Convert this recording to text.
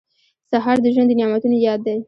سهار د ژوند د نعمتونو یاد دی.